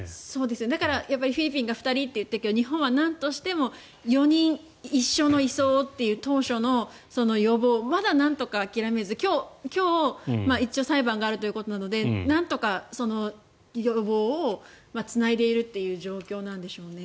だからフィリピンは２人と言ってるけど日本はなんとしても４人一緒の移送をという当初の要望をまだなんとか諦めず今日、一応裁判があるということなのでなんとかその要望をつないでいるという状況なんでしょうね。